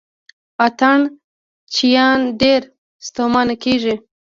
اتڼ چیان ډېر ستومانه کیږي.